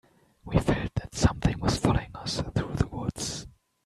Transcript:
We felt that something was following us through the woods.